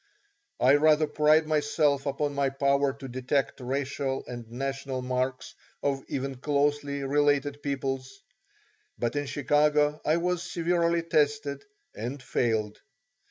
I rather pride myself upon my power to detect racial and national marks of even closely related peoples, but in Chicago I was severely tested and failed.